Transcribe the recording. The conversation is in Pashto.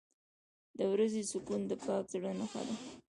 • د ورځې سکون د پاک زړه نښه ده.